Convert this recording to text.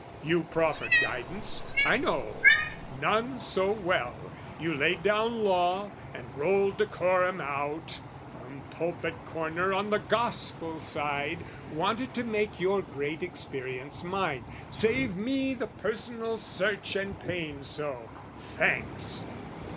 You proffered guidance, I know, none so well, You laid down law and rolled decorum out, From pulpit corner on the gospel side, Wanted to make your great experience mine, Save me the personal search and pains so: thanks!